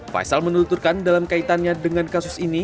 faisal menuturkan dalam kaitannya dengan kasus ini